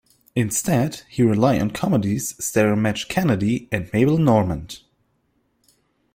Instead, he rely on comedies starring Madge Kennedy and Mabel Normand.